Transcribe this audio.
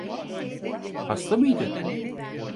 Hasta mıydı?